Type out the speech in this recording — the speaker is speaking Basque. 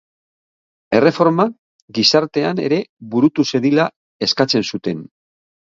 Erreforma gizartean ere burutu zedila eskatzen zuten.